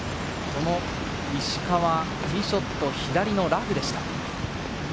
この石川、ティーショット左のラフでした。